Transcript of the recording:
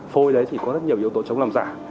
phôi đấy thì có rất nhiều yếu tố chống làm giả